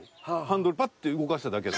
ハンドルパッて動かしただけ。